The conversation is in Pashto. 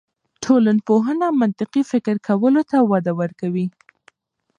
ټولنپوهنه منطقي فکر کولو ته وده ورکوي.